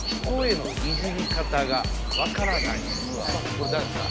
これ誰ですか？